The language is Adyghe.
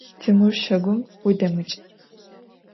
Timur, şagum vudemıç'!